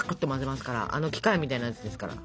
あの機械みたいなやつですから。